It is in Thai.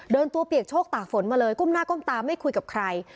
โดนตัวเปียกโชคตากฝนมาเลยก้มหน้าก้มตาไม่คุยกับใคร